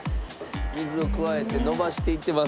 水を加えて伸ばしていってます。